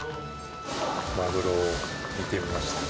マグロを煮てみました。